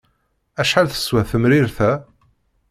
Acḥal teswa temrint-a?